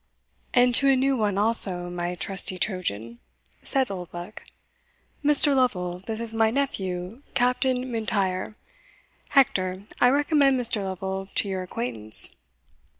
"And to a new one also, my trusty Trojan," said Oldbuck. "Mr. Lovel, this is my nephew, Captain M'Intyre Hector, I recommend Mr. Lovel to your acquaintance."